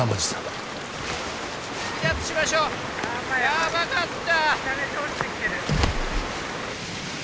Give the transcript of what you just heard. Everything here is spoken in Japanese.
やばかった！